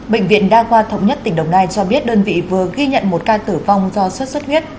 bệnh viện đa khoa thống nhất tỉnh đồng nai cho biết đơn vị vừa ghi nhận một ca tử vong do xuất xuất huyết